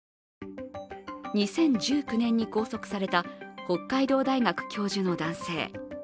２０１９年に拘束された北海道大学教授の男性。